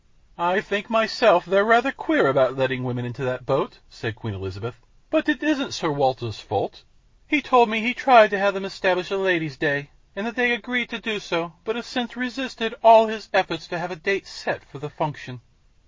"I think myself they're rather queer about letting women into that boat," said Queen Elizabeth. "But it isn't Sir Walter's fault. He told me he tried to have them establish a Ladies' Day, and that they agreed to do so, but have since resisted all his efforts to have a date set for the function."